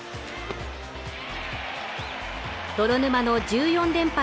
泥沼の１４連敗